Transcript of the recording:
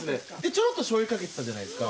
ちょろっと醤油かけてたじゃないですか。